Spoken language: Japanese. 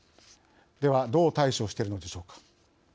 ではどう対処しているのでしょうか。